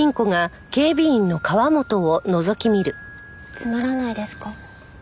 つまらないですか？